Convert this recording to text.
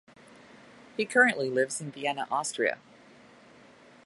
He currently lives in Vienna, Austria.